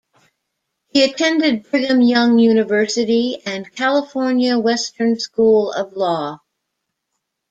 He attended Brigham Young University and California Western School of Law.